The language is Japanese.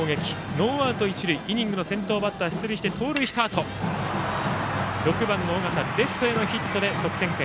ノーアウト、一塁イニングの先頭バッターが出塁し盗塁したあと、６番の尾形レフトへのヒットで得点圏。